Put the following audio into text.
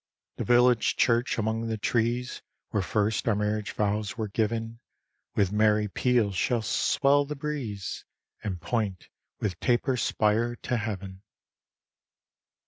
The village church, among the trees, Where first our marriage vows were giv'n, With merry peals shall swell the breeze, And point with taper spire to heav'n.